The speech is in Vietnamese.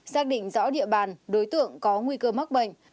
xác định rõ địa bàn đối tượng có nguy cơ mắc bệnh